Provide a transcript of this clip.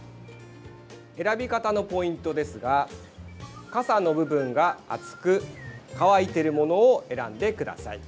選び方のポイントですがかさの部分が厚く乾いているものを選んでください。